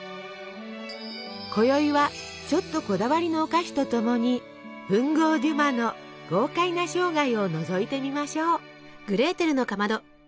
こよいはちょっとこだわりのお菓子とともに文豪デュマの豪快な生涯をのぞいてみましょう！